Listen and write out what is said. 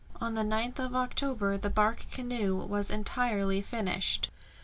On the 9th of October the bark canoe was entirely finished.